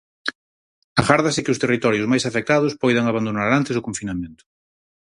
Agárdase que os territorios máis afectados poidan abandonar antes o confinamento.